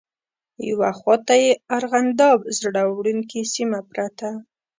یوه خواته یې ارغنداب زړه وړونکې سیمه پرته.